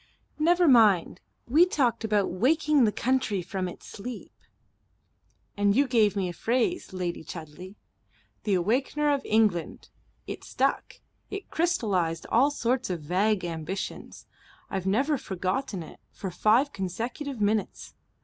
"Never mind. We talked about waking the country from its sleep." "And you gave me a phrase, Lady Chudley 'the Awakener of England.' It stuck. It crystallized all sorts of vague ambitions. I've never forgotten it for five consecutive minutes.